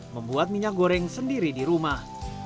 membuat minyak goreng sendiri di rumah